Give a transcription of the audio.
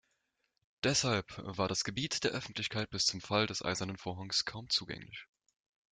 Deshalb war das Gebiet der Öffentlichkeit bis zum Fall des Eisernen Vorhangs kaum zugänglich.